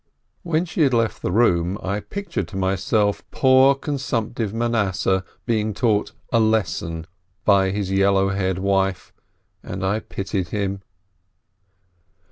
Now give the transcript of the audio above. When she had left the room, I pictured to myself poor consumptive Manasseh being taught a "lesson" by his yellow haired wife, and I pitied him.